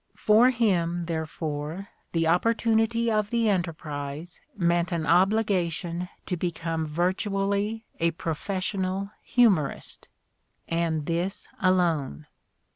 For him, therefore, the opportunity of the Enterprise meant an obligation to become virtually a professional humorist, and this alone.